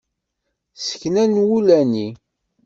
Ssekna n wulani.